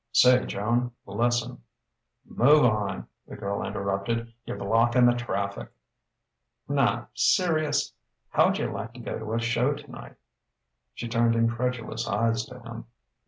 "Say, Joan, lis'en " "Move on," the girl interrupted: "you're blocking the traffic." "Nah serious': howja like to go to a show tonight?" She turned incredulous eyes to him.